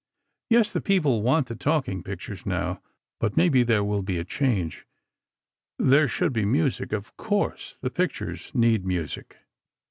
Yes, the people want the talking pictures now, but maybe there will be a change. There should be music, of course. The pictures need music.